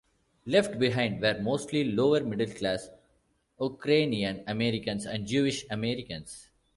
Left behind were mostly lower middle-class Ukrainian-Americans and Jewish-Americans.